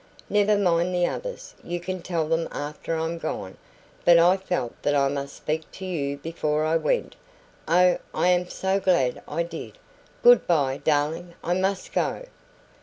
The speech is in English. Never mind the others. You can tell them after I'm gone. But I felt that I must speak to YOU before I went. Oh, I am so glad I did! Goodbye, darling! I must go."